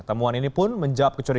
temuan ini pun menjawab kecurigaan